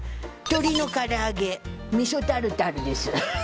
鶏の唐揚げ味噌タルタルです。